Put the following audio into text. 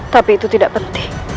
tapi itu tidak penting